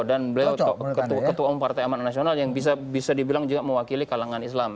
dan beliau ketua umum partai aman nasional yang bisa dibilang juga mewakili kalangan islam